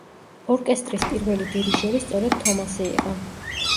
ორკესტრის პირველი დირიჟორი სწორედ თომასი იყო.